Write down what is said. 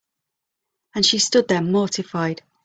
And she stood there mortified.